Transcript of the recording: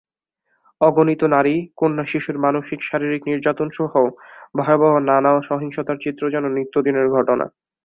অগণিত নারী, কন্যাশিশুর মানসিক-শারীরিক নির্যাতনসহ ভয়াবহ নানা সহিংসতার চিত্র যেন নিত্যদিনের ঘটনা।